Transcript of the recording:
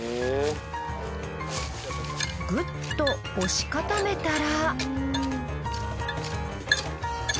グッと押し固めたら。